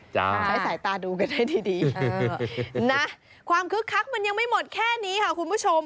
ใช้สายตาดูกันให้ดีนะความคึกคักมันยังไม่หมดแค่นี้ค่ะคุณผู้ชม